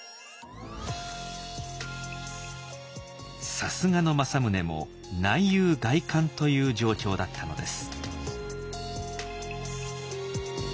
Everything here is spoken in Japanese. さすがの政宗も内憂外患という状況だったのです。